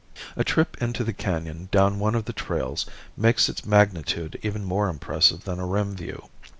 A trip into the canon down one of the trails makes its magnitude even more impressive than a rim view.